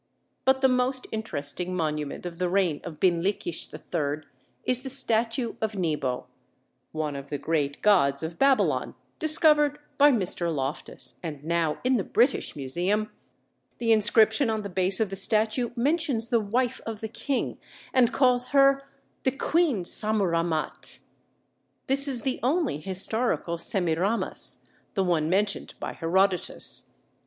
But the most interesting monument of the reign of Binlikhish III is the statue of Nebo, one of the great gods of Babylon, discovered by Mr. Loftus and now in the British Museum; the inscription on the base of the statue mentions the wife of the King, and calls her "the queen Sammuramat"; this is the only historical Semiramis, the one mentioned by Herodotus.